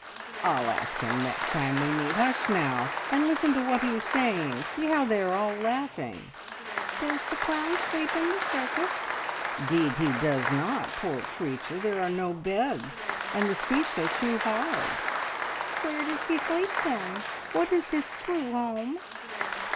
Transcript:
"I'll ask him next time we meet! Hush now, and listen to what he is saying. See how they are all laughing!" "Does the clown sleep in the circus?" "'Deed he does not, poor creature! There are no beds, and the seats are too hard." "Where does he sleep, then? What is his true home?"